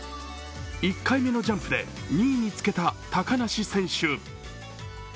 １回目のジャンプで２位につけた高梨選手。